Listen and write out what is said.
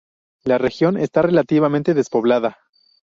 La región está relativamente despoblada.